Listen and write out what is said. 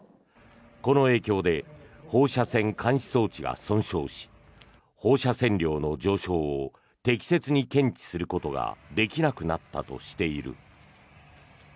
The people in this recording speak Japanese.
この影響で放射線監視装置が損傷し放射線量の上昇を適切に検知することができなくなったとしている。